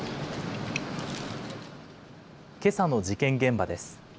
けさの事件現場です。